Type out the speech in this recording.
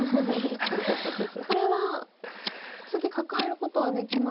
これは次カカえることはできますが。